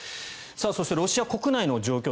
そして、ロシア国内の状況。